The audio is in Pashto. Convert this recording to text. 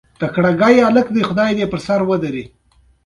د هغې خلاف خبره د خشونت مستحق ګڼل کېږي.